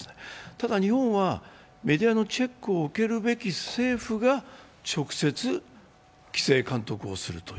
ただ日本は、メディアのチェックを受けるべき政府が直接規制・監督をする。